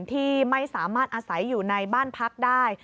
ที่ไม่สามารถอาศัยอยู่ในบ้านพักได้